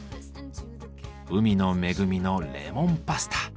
海の恵みのレモンパスタ。